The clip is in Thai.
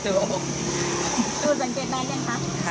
คือสังเกตได้หรือยังคะ